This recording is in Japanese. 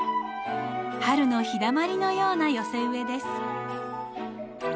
春の日だまりのような寄せ植えです。